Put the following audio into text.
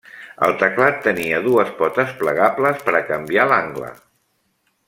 El teclat tenia dues potes plegables per a canviar l'angle.